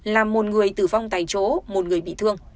làm một người tử vong tại chỗ một người bị thương